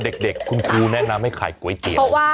เด็กคุณครูแนะนำให้ขายก๋วยเตี๋ยว